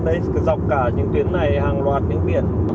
dọc cả những tuyến này hàng loạt những biển